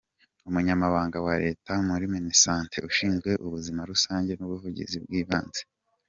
Umunyamabanga wa Leta muri Minisante, ushinzwe Ubuzima Rusange n’Ubuvuzi bw’Ibanze, Dr.